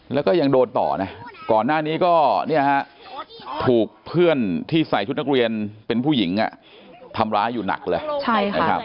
แล้วก็ยังโดนต่อนะก่อนหน้านี้ก็เนี่ยฮะถูกเพื่อนที่ใส่ชุดนักเรียนเป็นผู้หญิงทำร้ายอยู่หนักเลยนะครับ